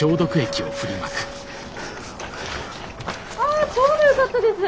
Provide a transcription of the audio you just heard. あちょうどよかったです。